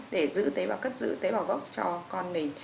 để giữ tế và cất giữ tế bào gốc cho con mình